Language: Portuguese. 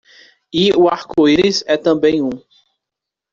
E o arco-íris é também um.